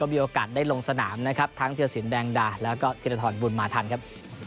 มีโอกาสได้ลงสนามนะครับทั้งธิรสินแดงดาแล้วก็ธิรทรบุญมาทันครับ